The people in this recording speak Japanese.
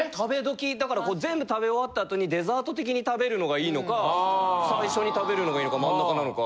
だから全部食べ終わった後にデザート的に食べるのが良いのか最初に食べるのが良いのか真ん中なのか。